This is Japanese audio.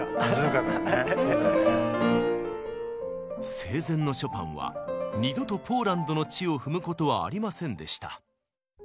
生前のショパンは二度とポーランドの地を踏むことはありませんでした。